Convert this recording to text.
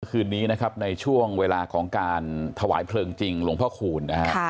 คืนนี้นะครับในช่วงเวลาของการถวายเพลิงจริงหลวงพ่อคูณนะฮะ